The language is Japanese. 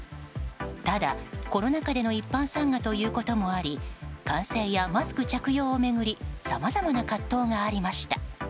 ただ、コロナ禍での一般参賀ということもあり歓声やマスク着用を巡りさまざまな葛藤がありました。